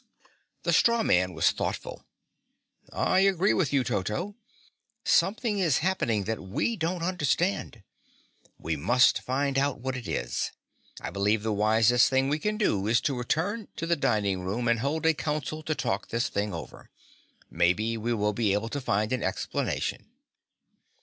The straw man was thoughtful. "I agree with you, Toto. Something is happening that we don't understand. We must find out what it is. I believe the wisest thing we can do is to return to the dining room and hold a council to talk this thing over. Maybe we will be able to find an explanation."